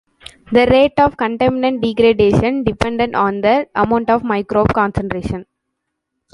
The rate of contaminant degradation depended on the amount of microbe concentration.